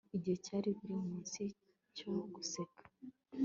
igihe cya buri munsi cyo guseka